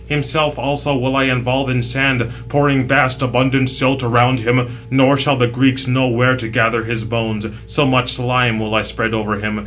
Himself also will I involve in sand, pouring vast abundant silt around him; nor shall the Greeks know where to gather his bones, so much slime will I spread over him.